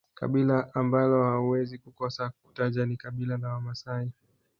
kabila ambalo hauwezi kukosa kutaja ni kabila la Wamasai